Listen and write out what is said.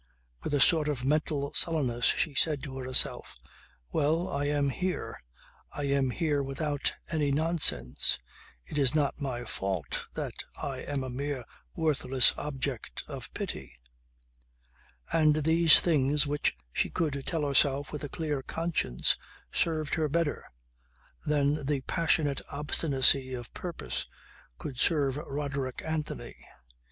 With a sort of mental sullenness she said to herself: "Well, I am here. I am here without any nonsense. It is not my fault that I am a mere worthless object of pity." And these things which she could tell herself with a clear conscience served her better than the passionate obstinacy of purpose could serve Roderick Anthony.